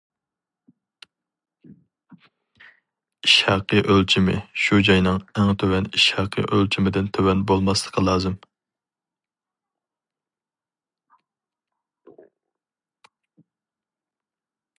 ئىش ھەققى ئۆلچىمى شۇ جاينىڭ ئەڭ تۆۋەن ئىش ھەققى ئۆلچىمىدىن تۆۋەن بولماسلىقى لازىم.